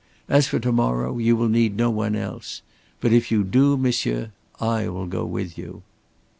As for to morrow, you will need no one else. But if you do, monsieur, I will go with you."